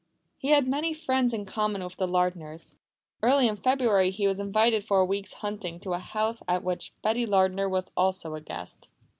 He had many friends in common with the Lardners. Early in February he was invited for a week's hunting to a house at which Betty Lardner was also a guest.